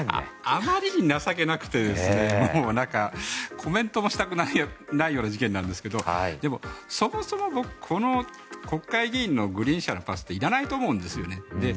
あまりに情けなくてコメントもしたくないような事件なんですけどでも、そもそも国会議員のグリーン券のパスっていらないと思うんですよね。